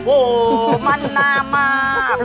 โอ้โฮมั่นมากมาก